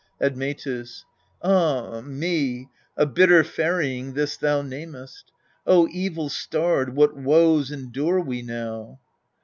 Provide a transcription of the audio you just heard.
Admetus. Ah me ! a bitter ferrying this thou namest ! evil starred, what woes endure we now